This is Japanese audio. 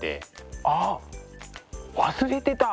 あっ忘れてた！